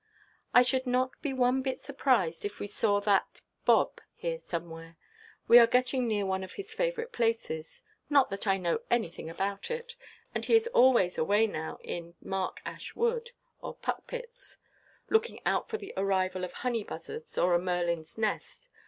"I should not be one bit surprised, if we saw that—Bob, here somewhere. We are getting near one of his favourite places—not that I know anything about it; and he is always away now in Mark Ash Wood, or Puckpits, looking out for the arrival of honey–buzzards, or for a merlinʼs nest.